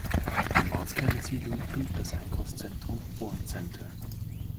Den Ortskern der Siedlung bildet das Einkaufszentrum "Born-Center".